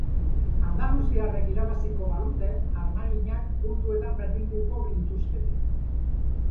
Andaluziarrek irabaziko balute, armaginak puntuetan berdinduko lituzkete.